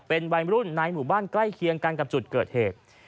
เป็นวัยรุ่นในหมู่บ้านใกล้เคียงกันกับจุดเกิดเหตุ